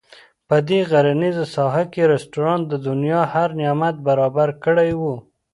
په دې غرنیزه ساحه کې رسټورانټ د دنیا هر نعمت برابر کړی وو.